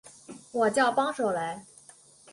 我叫帮手来